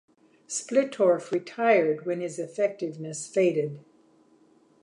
Splittorff retired when his effectiveness faded.